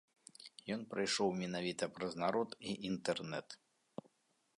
Ён прайшоў менавіта праз народ і інтэрнэт.